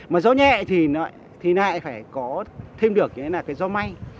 mà gió nhẹ thì lại phải có thêm được là cái gió may